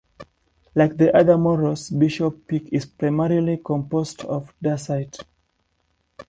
Like the other Morros, Bishop Peak is primarily composed of dacite.